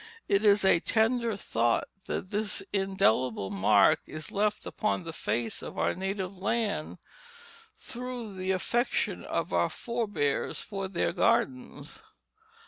It is a tender thought that this indelible mark is left upon the face of our native land through the affection of our forbears for their gardens.